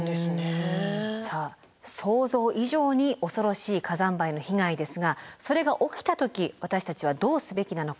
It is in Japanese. さあ想像以上に恐ろしい火山灰の被害ですがそれが起きた時私たちはどうすべきなのか